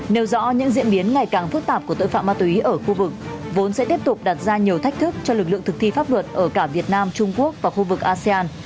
nêu rõ những diễn biến ngày càng phức tạp của tội phạm ma túy ở khu vực vốn sẽ tiếp tục đặt ra nhiều thách thức cho lực lượng thực thi pháp luật ở cả việt nam trung quốc và khu vực asean